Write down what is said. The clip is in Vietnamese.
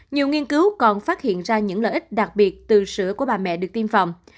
nhiều nghiên cứu còn phát hiện ra những lợi ích đặc biệt từ sữa của bà mẹ được tiêm phòng